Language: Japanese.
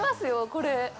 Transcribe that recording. これ。